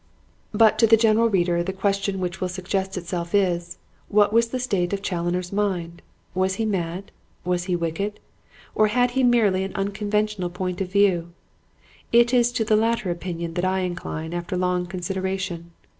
But to the general reader the question which will suggest itself is, What was the state of Challoner's mind? Was he mad? Was he wicked? Or had he merely an unconventional point of view? It is to the latter opinion that I incline after long consideration.